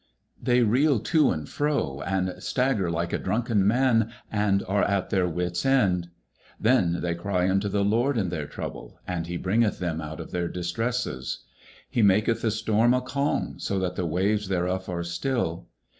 19:107:027 They reel to and fro, and stagger like a drunken man, and are at their wit's end. 19:107:028 Then they cry unto the LORD in their trouble, and he bringeth them out of their distresses. 19:107:029 He maketh the storm a calm, so that the waves thereof are still.